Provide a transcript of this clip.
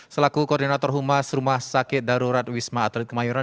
selaku koordinator humas rumah sakit darurat wisma atlet kemayoran